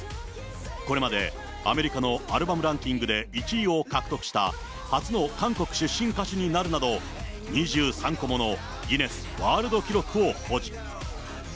これまでアメリカのアルバムランキングで１位を獲得した、初の韓国出身歌手になるなど、２３個ものギネスワールド記録を保持。